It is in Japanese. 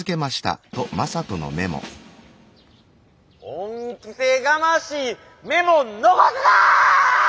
恩着せがましいメモ残すな！